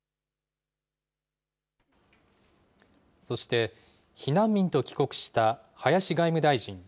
そして避難民と帰国した林外務大臣。